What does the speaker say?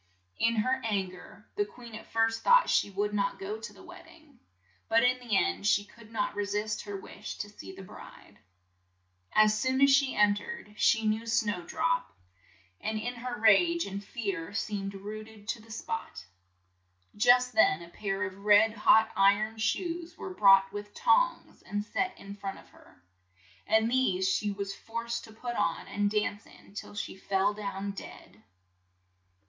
In her an ger the queen at first thought she would not go to the wed ding, but in the end she could not re sist her wish to see the bride. As soon as she en tered she knew Snow drop, and in her 76 THE FISHERMAN AND HIS WIFE rage and fear seemed rooted to the spot. Just then a pair of red hot iron shoes were brought with tongs and set in front of her, and these she was forced to put on and dance in till she fell down dead.